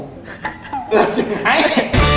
เอาสิไง